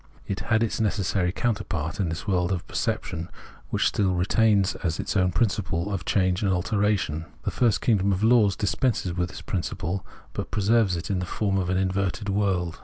It had its necessary counter part in this world of perception, which still retains as its own the principle of change and alteration. The first kingdom of laws dispenses with this principle, but preserves it in the form of an inverted world.